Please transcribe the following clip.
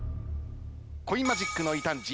コインマジックの異端児